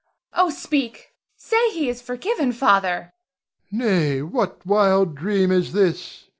Oh, speak! Say he is forgiven, Father! Ber. Nay, what wild dream is this?